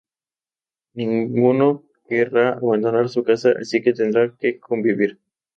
Ninguno querrá abandonar "su casa", así que tendrán que convivir.